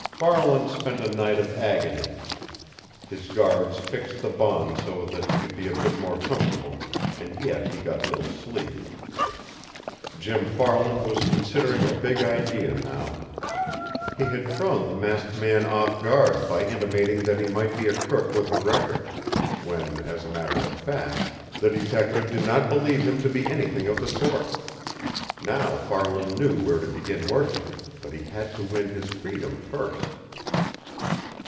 Farland spent a night of agony. His guards fixed the bonds so that he could be a bit more comfortable, and yet he got little sleep. Jim Farland was considering a big idea now. He had thrown the masked man off guard by intimating that he might be a crook with a record, when, as a matter of fact, the detective did not believe him to be anything of the sort. Now Farland knew where to begin working, but he had to win his freedom first.